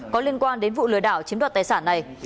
có liên quan đến vụ lừa đảo chiếm đoạt tài sản này